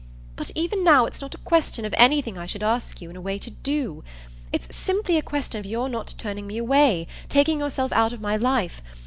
But even now it's not a question of anything I should ask you in a way to 'do.' It's simply a question of your not turning me away taking yourself out of my life.